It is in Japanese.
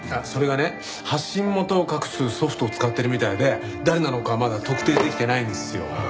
それがね発信元を隠すソフトを使ってるみたいで誰なのかはまだ特定できてないんですよ。